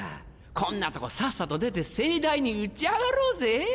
こんなとこさっさと出て盛大に打ち上がろうぜ？